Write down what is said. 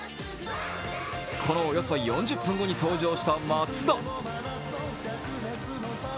このおよそ４０分後に登場した松田。